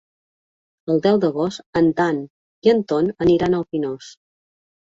El deu d'agost en Dan i en Ton aniran al Pinós.